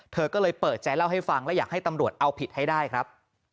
เธอก็เลยเปิดใจเล่าให้ฟังและอยากให้ตำรวจเอาผิดให้ได้ครับ